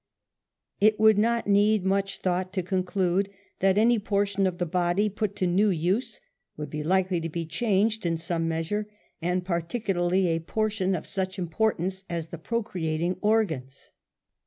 It would not need much thought to conclude that any portion of the body put to new use would be likely to be changed in some measure, and particularly a portion of such importance as the procreating organs.